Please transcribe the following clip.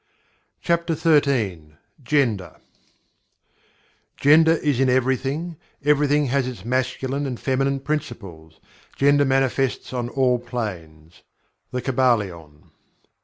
CHAPTER XIII GENDER "Gender is in everything; everything has its Masculine and Feminine Principles; Gender manifests on all planes." The Kybalion.